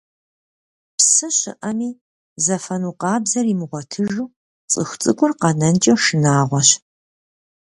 Псы щыӀэми, зэфэну къабзэр имыгъуэтыжу цӀыху цӀыкӀур къэнэнкӀэ шынагъуэщ.